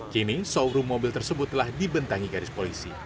kini showroom mobil tersebut telah dibentangi garis polisi